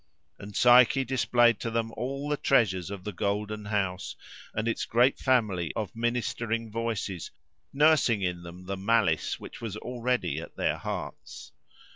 And Psyche displayed to them all the treasures of the golden house, and its great family of ministering voices, nursing in them the malice which was already at their hearts.